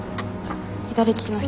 左利きの人